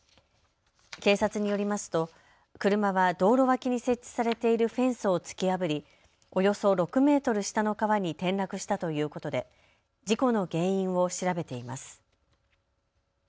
警察によりますと車は道路脇に設置されているフェンスを突き破り、およそ６メートル下の川に転落したということで事故の原因を調べています。